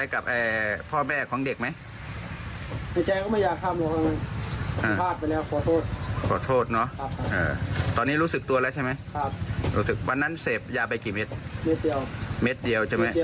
ขอโทษนะตอนนี้รู้สึกตัวแล้วใช่ไหมวันนั้นเสพยาไปกี่เม็ดเม็ดเดียวใช่ไหม